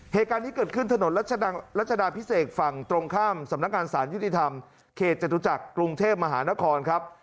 เหตุการณ์นี้เกิดขึ้นถนนรัชดาพิเศษฝั่งตรงข้ามสำนักงานสารยุติธรรมเขตจตุจักรกรุงเทพมหานครครับ